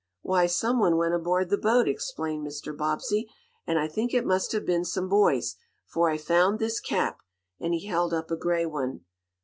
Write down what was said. "Why, some one went aboard the boat," explained Mr. Bobbsey, "and I think it must have been some boys, for I found this cap," and he held up a gray one.